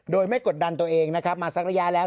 โดยไม่กดดันตัวเองนะครับมาสักระยะแล้ว